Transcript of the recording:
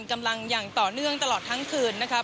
กำลังอย่างต่อเนื่องตลอดทั้งคืนนะครับ